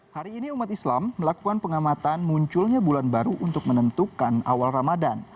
hari ini umat islam melakukan pengamatan munculnya bulan baru untuk menentukan awal ramadan